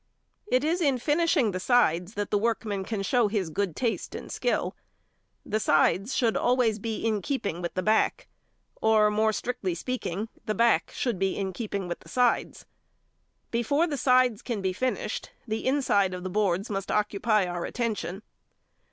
It is in finishing the sides that the workman can show his good taste and skill. The sides should be always in keeping with the back; or, more strictly speaking, the back should be in keeping with the sides. Before the sides can be finished, the inside of the boards must occupy our attention.